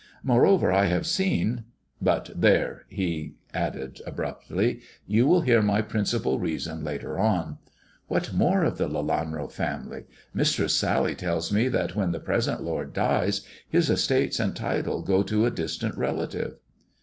Moreover, I have seen But there," he added abruptly, " you will hear my principal reason later on. What more of the Lelanro family? Mistress Sally tells me that when the present lord dies his estates and title go to a distant relative."